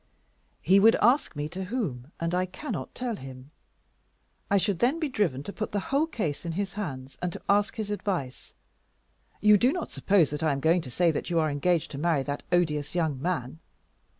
"He would ask me to whom, and I cannot tell him. I should then be driven to put the whole case in his hands, and to ask his advice. You do not suppose that I am going to say that you are engaged to marry that odious young man?